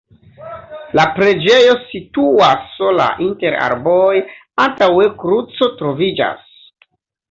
La preĝejo situas sola inter arboj, antaŭe kruco troviĝas.